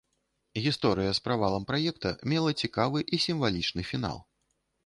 Гісторыя з правалам праекта мела цікавы і сімвалічны фінал.